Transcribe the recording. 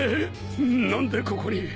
何でここに！？